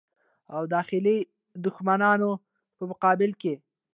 او داخلي دښمنانو په مقابل کې.